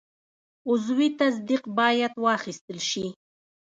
عضوي تصدیق باید واخیستل شي.